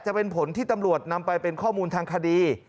จะเป็นผลที่ตำรวจนำไปเป็นข้อมูลทางคดี